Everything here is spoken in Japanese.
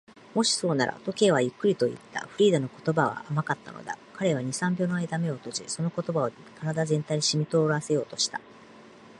「もしそうなら」と、Ｋ はゆっくりといった。フリーダの言葉が甘かったのだ。彼は二、三秒のあいだ眼を閉じ、その言葉を身体全体にしみとおらせようとした。